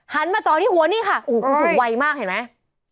มาจอที่หัวนี่ค่ะโอ้โหไวมากเห็นไหม